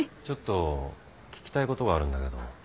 ちょっと聞きたいことがあるんだけど。